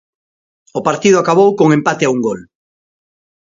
O partido acabou con empate a un gol.